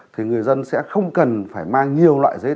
thì người dân sẽ không cần phải mang nhiều loại giấy